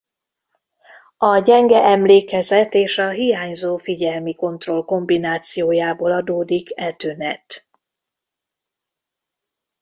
A gyenge emlékezet és a hiányzó figyelmi kontroll kombinációjából adódik e tünet.